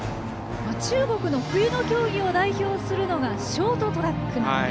中国の冬の競技を代表するのがショートトラック。